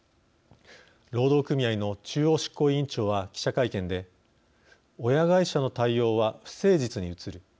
労働組合の中央執行委員長は記者会見で「親会社の対応は不誠実に映る。